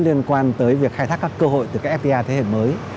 liên quan tới việc khai thác các cơ hội từ các fta thế hệ mới